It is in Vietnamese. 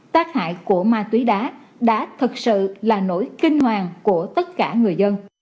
tác hại của ma túy đá đã thực sự là nỗi kinh hoàng của tất cả người dân